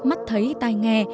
mắt thấy tai nghe